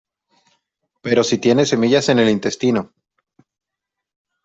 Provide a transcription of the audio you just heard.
pero si tiene semillas en el intestino